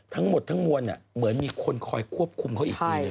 ทั้งหมดทั้งมวลเหมือนมีคนคอยควบคุมเขาอีกที